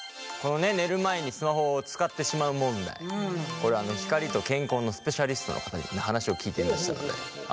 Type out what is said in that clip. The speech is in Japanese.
これは光と健康のスペシャリストの方にも話を聞いてみましたので。